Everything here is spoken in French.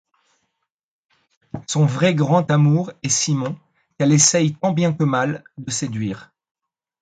Son vrai grand amour est Simon, qu'elle essaye tant bien que mal, de séduire.